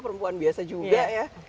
perempuan biasa juga ya